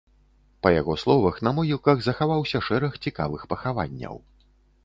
Па яго словах, на могілках захаваўся шэраг цікавых пахаванняў.